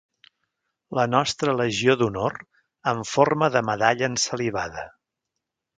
La nostra legió d'honor en forma de medalla ensalivada.